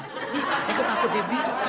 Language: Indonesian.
eh eh ke takut bebi